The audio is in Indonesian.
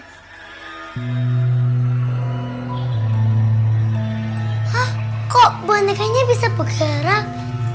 hah kok bunikanya bisa bergerak